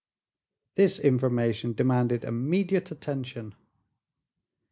This information demanded immediate attention.